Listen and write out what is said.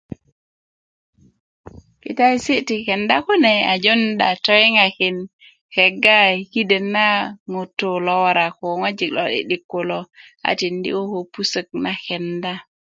kitaesi' ti kenda kune a jowunda toyiŋakin kegga yi kiden na ŋutuu lo wora ko lo'di'dik kulo a tindi koko pusök na kenda